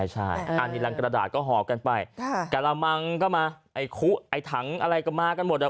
ใช่อันนี้รังกระดาษก็หอบกันไปกระมังก็มาไอ้คุไอ้ถังอะไรก็มากันหมดอ่ะ